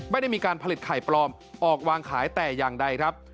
ไม่ได้มีการผลิตไข่ปลอมออกวางขายแต่อย่างใดครับ